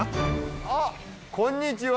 あっこんにちは。